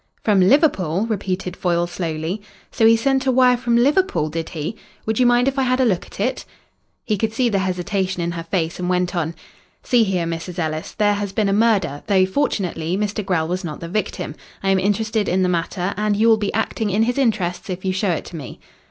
"From Liverpool?" repeated Foyle slowly. "So he sent a wire from Liverpool, did he? Would you mind if I had a look at it?" He could see the hesitation in her face and went on: "See here, Mrs. Ellis, there has been a murder, though, fortunately, Mr. Grell was not the victim. I am interested in the matter, and you will be acting in his interests if you show it to me."